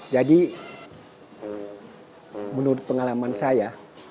jadi menurut pengalaman saya